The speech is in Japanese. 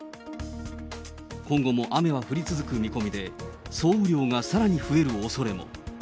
今後も雨は降り続く見込みで、総雨量がさらに増えるおそれも。